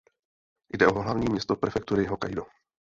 Jde o hlavní město prefektury Hokkaidó.